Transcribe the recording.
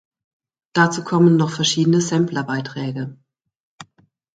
Dazu kommen noch verschiedene Samplerbeiträge.